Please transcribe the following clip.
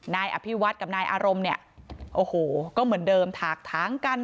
นายอภิวัตกับนายอารมณ์เนี่ยโอ้โหก็เหมือนเดิมถากถางกัน